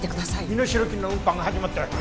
身代金の運搬が始まったよ。